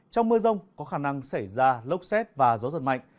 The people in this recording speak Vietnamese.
trong mưa rông có khả năng xảy ra lốc xét và gió giật mạnh